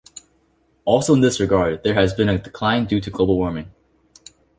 Also in this regard, there has been a decline due to global warming.